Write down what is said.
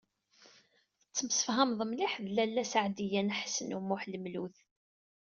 Tettemsefhameḍ mliḥ akked Lalla Seɛdiya n Ḥsen u Muḥ Lmlud.